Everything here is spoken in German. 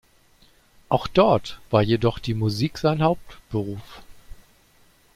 Auch dort war jedoch die Musik sein Hauptberuf.